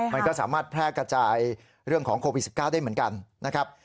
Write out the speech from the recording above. มันก็สามารถแพร่กระจายเรื่องของโควิด๑๙ได้เหมือนกันนะครับ